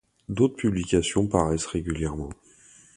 D'autres publications paraissent régulièrement.